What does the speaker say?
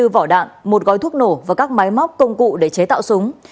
hai mươi bốn vỏ đạn một gói thuốc nổ và các máy móc công cụ để chế tạo súng